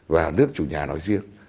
và nước chủ nhà nói riêng